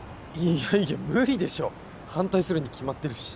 いやいや無理でしょ反対するに決まってるし。